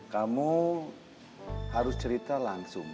kamu harus cerita langsung